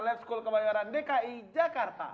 lab school kebayoran dki jakarta